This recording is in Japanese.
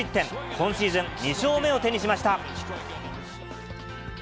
今シーズン２勝目を手にしました。